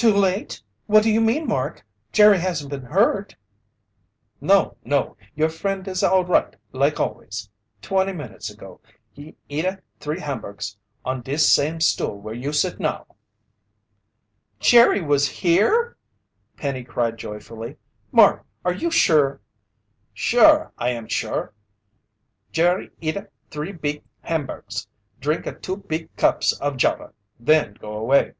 "Too late? What do you mean, Mark? Jerry hasn't been hurt?" "No! No! Your friend is all right like always. Twenty minutes ago, he eata three hamburgs on dis same stool where you sit now!" "Jerry was here!" Penny cried joyfully. "Mark, are you sure?" "Sure, I am sure! Jerry eata three beeg hamburgs, drinka two beeg cups of java, then go away."